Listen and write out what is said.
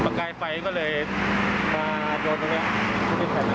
กายไฟก็เลยมาโดนตรงนี้